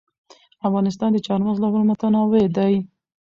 افغانستان د چار مغز له پلوه متنوع دی.